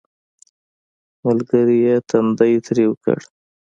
ملګري یې تندی ترېو کړ